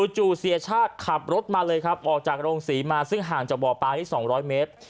จู่เสียชาติขับรถมาเลยครับออกจากโรงศรีมาซึ่งห่างจากบ่อปลาที่๒๐๐เมตร